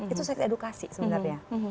itu seks edukasi sebenarnya